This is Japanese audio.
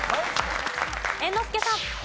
猿之助さん。